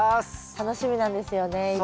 楽しみなんですよねいつも。